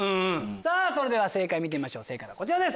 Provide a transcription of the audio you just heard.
それでは正解見てみましょう正解はこちらです！